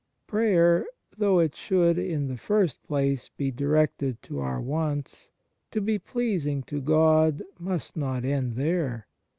Prayer, though it should in the first place be directed to our wants, to be pleasing to God, must not end there.